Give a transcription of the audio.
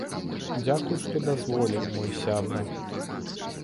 Дзякуй, што дазволіў, мой сябра!